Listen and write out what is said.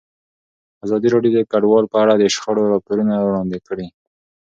ازادي راډیو د کډوال په اړه د شخړو راپورونه وړاندې کړي.